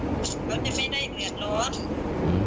รถยังไม่ได้เหลือรถ